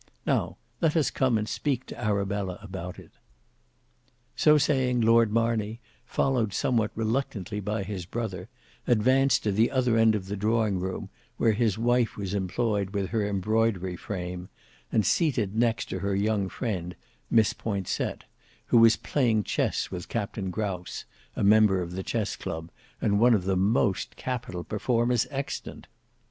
Now let us come and speak to Arabella about it." So saying, Lord Marney, followed somewhat reluctantly by his brother, advanced to the other end of the drawing room, where his wife was employed with her embroidery frame, and seated next to her young friend, Miss Poinsett, who was playing chess with Captain Grouse, a member of the chess club, and one of the most capital performers extant.